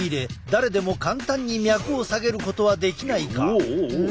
誰でも簡単に脈を下げることはできないか？